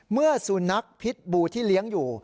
เมื่อสุนัขพิษบูที่เลี้ยงอยู่